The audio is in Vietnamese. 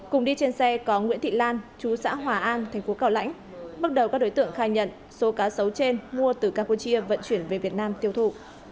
cùng đi trên xe có nguyễn thị lan chú xã hòa an thành phố cao lãnh bước đầu các đối tượng khai nhận số cá sấu trên mua từ campuchia vận chuyển về việt nam tiêu thụ